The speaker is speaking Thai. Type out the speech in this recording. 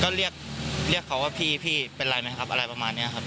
ก็เรียกเรียกเขาว่าพี่เป็นไรไหมครับอะไรประมาณนี้ครับ